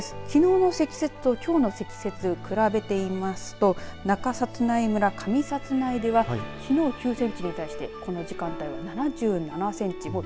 きのうの積雪ときょうの積雪、比べてみますと中札内村上札内ではきのう、９センチに対してこの時間帯は７７センチ。